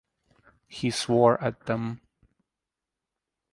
He swore at them.